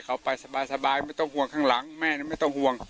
เขาไปสบายไม่ต้องห่วงข้างหลังแม่ไม่ต้องห่วง